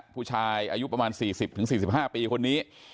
ผู้ชายอายุประมาณ๔๐๔๕ปีคนนี้